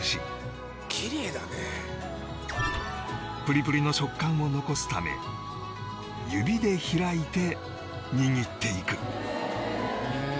プリプリの食感を残すため指で開いて握っていくへえ！